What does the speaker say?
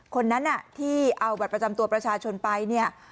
คนนั้นที่เอาบัตรประจำตัวประชาชนไปเนี่ย